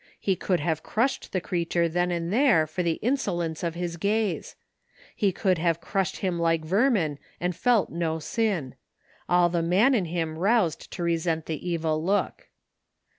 He could have crushed the creature then and there for the insolence of his gaze. He could have crushed him like vermin and felt no sin. All the man in him roused to resent the evil look.